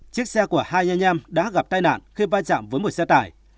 chiếc xe của hai nhà nham đã gặp tai nạn khi vai trạm với một xe tải